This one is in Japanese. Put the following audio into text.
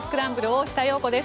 大下容子です。